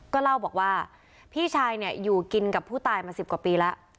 ก็เล่าบอกว่าพี่ชายเนี่ยอยู่กินกับผู้ตายมา๑๐กว่าปีแล้ว